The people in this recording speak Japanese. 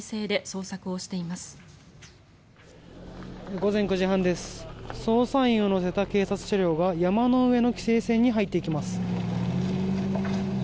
捜査員を乗せた警察車両が山の上の規制線に入っていきます。